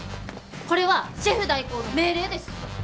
これはシェフ代行の命令です！